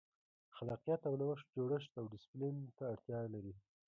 خلاقیت او نوښت جوړښت او ډیسپلین ته اړتیا لري.